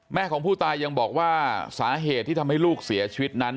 ของผู้ตายยังบอกว่าสาเหตุที่ทำให้ลูกเสียชีวิตนั้น